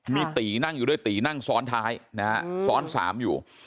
มีตีนั่งอยู่ด้วยตีนั่งซ้อนท้ายนะฮะซ้อน๓อยู่